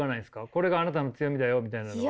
これがあなたの強みだよみたいなのは。